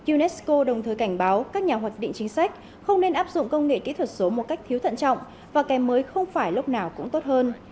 unesco đồng thời cảnh báo các nhà hoạch định chính sách không nên áp dụng công nghệ kỹ thuật số một cách thiếu thận trọng và kèm mới không phải lúc nào cũng tốt hơn